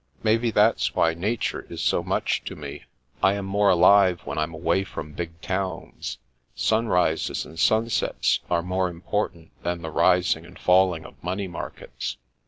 Maybe that's why nature is so much to me. I am more alive when I'm away from big towns. Sunrises and sunsets are more important than the rising and falling of money markets.